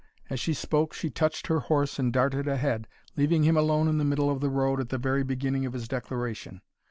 As she spoke she touched her horse and darted ahead, leaving him alone in the middle of the road at the very beginning of his declaration.